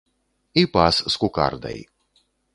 І пас з кукардай!